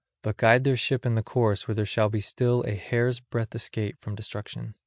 But guide their ship in the course where there shall be still a hair's breadth escape from destruction."